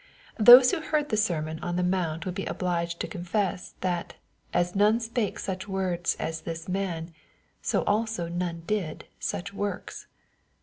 Those who heard the sermon on the mount would be obliged to confess, that, as '^ none spake such words as this man/' so also none did such works.